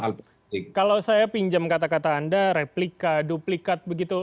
kalau saya pinjam kata kata anda replika duplikat begitu